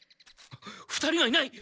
２人がいない！